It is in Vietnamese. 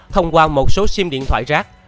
thông qua một số sim điện thoại rác